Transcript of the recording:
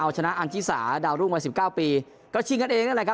เอาชนะอันจิสาดาวรุ่งวัยสิบเก้าปีก็ชิงกันเองนั่นแหละครับ